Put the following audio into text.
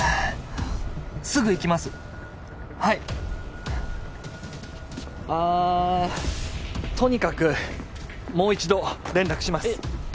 すぐ行きますはいああとにかくもう一度連絡しますえ